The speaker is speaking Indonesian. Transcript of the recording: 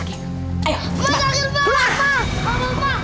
ayo cepat keluar